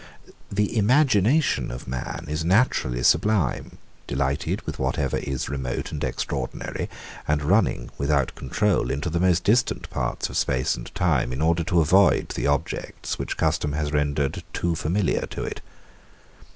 The imagination of man is naturally sublime, delighted with whatever is remote and extraordinary, and running, without control, into the most distant parts of space and time in order to avoid the objects, which custom has rendered too familiar to it.